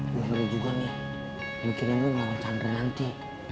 gue heran juga nih mikirin lo ngelawan chandra nanti